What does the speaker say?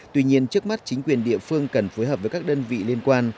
tuy nhiên trước mắt chính quyền địa phương cần phối hợp với các đơn vị liên quan